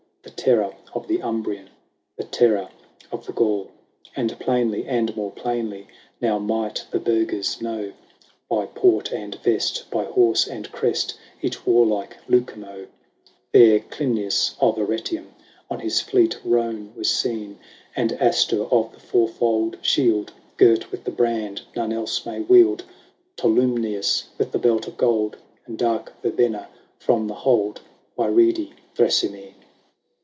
The terror of the Umbrian, The terror of the Gaul. XXIII. And plainly and more plainly Now might the burghers know, By port and vest, by horse and crest, Each warlike Lucumo. There Cilnius of Arretium On his fleet roan was seen ; And Astur of the four fold shield. Girt with the brand none else may wield. HORATIUS. 55 Tolumnius with the belt of gold, And dark Yerbenna from the hold By reedy Thrasymene.